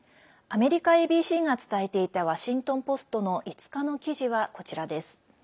アメリカＡＢＣが伝えていたワシントン・ポストの５日の記事はこちらです。